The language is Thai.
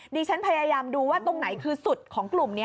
ดิฉันพยายามดูว่าตรงไหนคือสุดของกลุ่มนี้